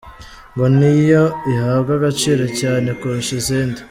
Ngo niyo ihabwa agaciro cyane kurusha izindi.